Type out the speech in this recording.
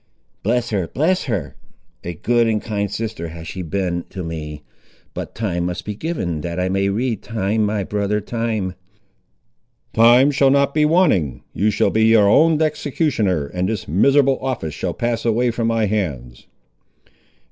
"Bless her, bless her! a good and kind sister has she been to me. But time must be given, that I may read; time, my brother, time!" "Time shall not be wanting. You shall be your own executioner, and this miserable office shall pass away from my hands."